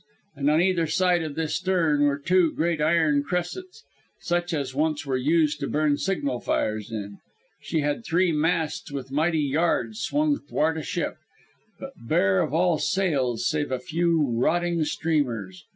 And on either side of this stern were two great iron cressets such as once were used to burn signal fires in. She had three masts with mighty yards swung 'thwart ship, but bare of all sails save a few rotting streamers.